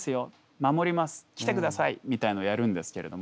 守ります来てくださいみたいなのをやるんですけれども。